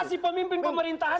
masih pemimpin pemerintahan